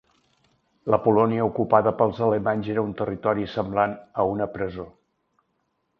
La Polònia ocupada pels alemanys era un territori semblant a una presó.